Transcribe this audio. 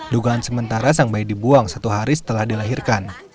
dugaan sementara sang bayi dibuang satu hari setelah dilahirkan